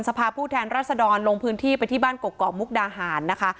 สภาพผู้แทนรัศดรลงพื้นที่ไปที่บ้านกกอกมุกดาหารนะคะ